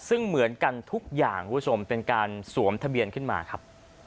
ซึ่งเหมือนกันทุกอย่างคุณผู้ชมเป็นการสวมทะเบียนขึ้นมาครับ